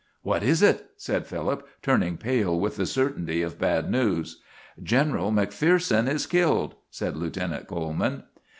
"What is it?" said Philip, turning pale with the certainty of bad news. "General McPherson is killed," said Lieutenant Coleman.